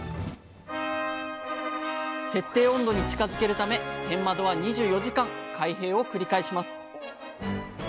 設定温度に近づけるため天窓は２４時間開閉を繰り返します。